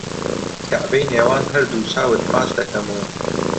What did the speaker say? کەعبەی نێوان هەردوو چاوت ماچ دەکەم و